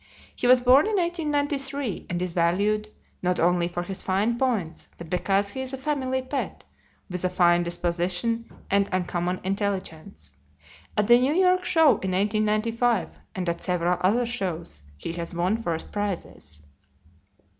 He was born in 1893, and is valued, not only for his fine points, but because he is a family pet, with a fine disposition and uncommon intelligence. At the New York show in 1895, and at several other shows, he has won first prizes.